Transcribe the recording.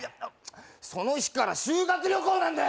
その日から修学旅行なんだよ